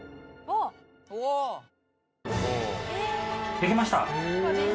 できました！